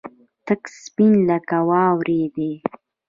تک سپين لکه واورې دي.